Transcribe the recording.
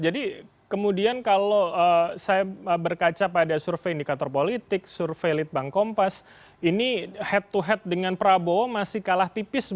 jadi kemudian kalau saya berkaca pada survei indikator politik survei lidbang kompas ini head to head dengan prabowo masih kalah tipis